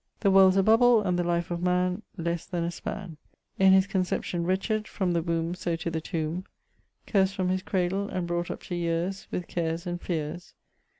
The world's a bubble, and the life of man Lesse then a span; In his conception wretched, from the wombe So to the tombe; Curst from his cradle, and brought up to yeares With cares and feares.